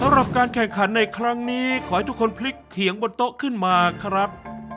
การแข่งขันในครั้งนี้ขอให้ทุกคนพลิกเขียงบนโต๊ะขึ้นมาครับ